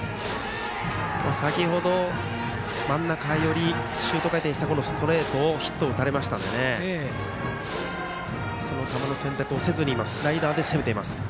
先程、真ん中寄りにシュート回転したストレートをヒットを打たれましたのでその球の選択をせずスライダーで攻めています。